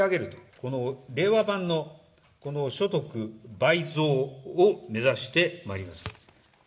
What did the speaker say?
この令和版のこの所得倍増を目指してまいります。